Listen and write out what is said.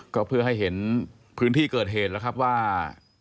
ก็เพื่อให้เห็นพื้นที่เกิดเหตุแล้วครับว่า